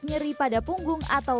nyeri pada punggung atau